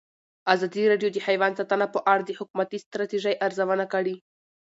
ازادي راډیو د حیوان ساتنه په اړه د حکومتي ستراتیژۍ ارزونه کړې.